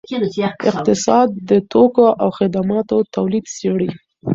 اقتصاد د توکو او خدماتو تولید څیړي.